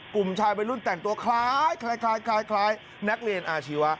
กลุ่มชายวัยรุ่นแต่งตัวคล้ายนักเรียนอาชีวะ